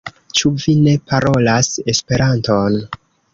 Ĉu vi ne parolas Esperanton?